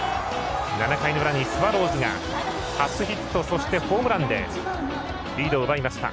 ７回の裏にスワローズが初ヒット、そしてホームランでリードを奪いました。